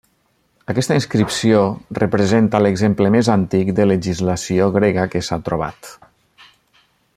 Aquesta inscripció representa l'exemple més antic de legislació grega que s'ha trobat.